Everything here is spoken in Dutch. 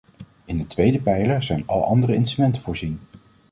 In de tweede pijler zijn al andere instrumenten voorzien.